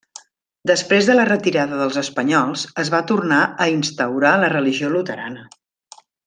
Després de la retirada dels espanyols es va tornar a instaurar la religió luterana.